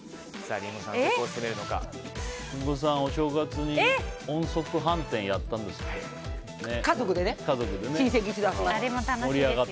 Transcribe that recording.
リンゴさん、お正月に音速反転やったんですって。